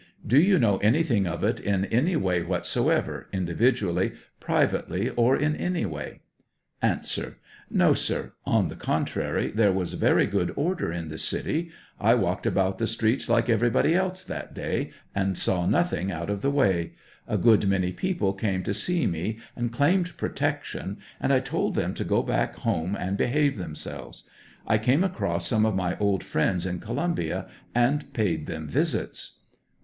Do you know anything of it in any way whatso ever, individually, privately, or in any way ? A, No, sir; on the contrary, there was very good order in the city ; I walked about the streets like everybody else that day, and saw nothing out of the way ; a good many people came to see me and claimed protection, and I told them to go back home and be have themselves ; I came across some of my old friends in Columbia, and paid them visits.